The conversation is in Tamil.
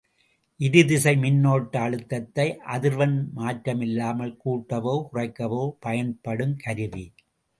இருதிசை மின்னோட்ட அழுத்தத்தை அதிர்வெண் மாற்றமில்லாமல் கூட்டவோ குறைக்கவோ பயன்படுங் கருவி.